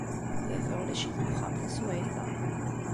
Baba ulac-it deg uxxam taswiɛt-a.